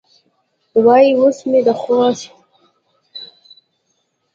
وایي اوس مې د خوست